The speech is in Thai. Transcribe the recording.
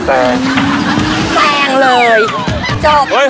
ไปค่ะ